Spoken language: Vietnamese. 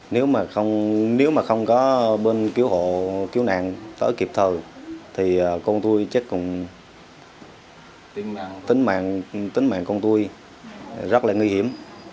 nếu mà không có bên cứu hộ cứu nạn tỡ kịp thờ thì con tôi chết cùng tính mạng con tôi rất là nguy hiểm